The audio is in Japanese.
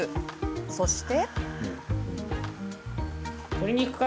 そして。